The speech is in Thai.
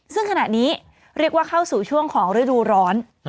ซึ่งขณะนี้เรียกว่าเข้าสู่ช่วงของฤดูร้อน